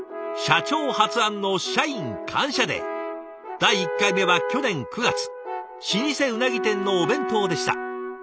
第１回目は去年９月老舗うなぎ店のお弁当でした。